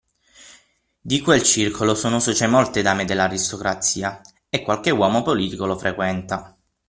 Di quel circolo sono socie molte dame dell'aristocrazia, e qualche uomo politico lo frequenta.